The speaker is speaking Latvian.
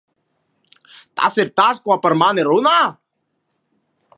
Tas ir tas, ko par mani runā?